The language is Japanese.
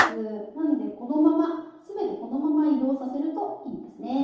なのでこのまま全てこのまま移動させるといいですね。